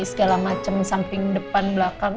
segala macam samping depan belakang